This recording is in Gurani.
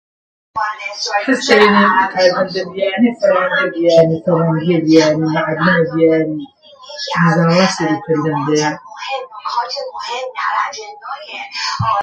ئیسە ئێنە کارمەندە بیەیانێ موعەلە بیەیانێ